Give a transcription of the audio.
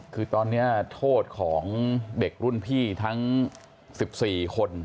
คือตอนนี้โทษของเด็กรุ่นพี่ทั้ง๑๔คน